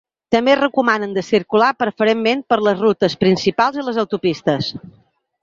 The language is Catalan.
També recomanen de circular preferentment per les rutes principals i les autopistes.